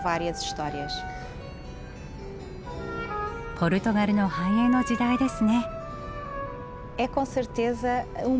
ポルトガルの繁栄の時代ですね。